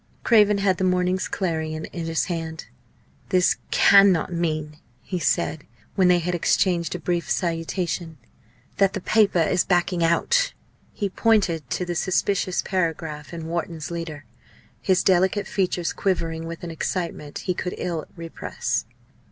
Craven had the morning's Clarion in his hand. "This cannot mean" he said, when they had exchanged a brief salutation "that the paper is backing out?" He pointed to the suspicious paragraph in Wharton's leader, his delicate features quivering with an excitement he could ill repress.